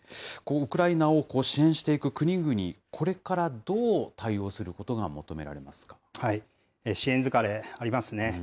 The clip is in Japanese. ウクライナを支援していく国々、これからどう対応することが求め支援疲れありますね。